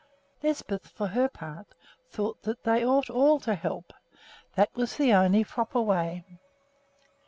Lisbeth, for her part, thought they ought all to help; that was the only proper way.